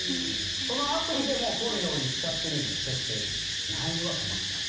そのアプリで、設定で撮るようにしちゃってるのでないのは困った。